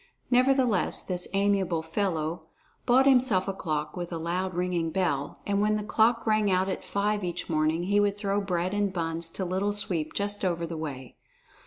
Nevertheless this amiable fellow bought himself a clock with a loud ringing bell, and when this clock rang out at five each morning, he would throw bread and buns to Little Sweep just over the way.